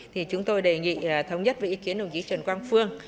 thì chúng tôi đề nghị thống nhất với ý kiến đồng chí trần quang phương